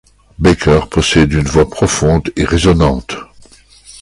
Baker possède une vois profonde et résonnante.